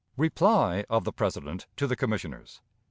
Reply of the President to the Commissioners.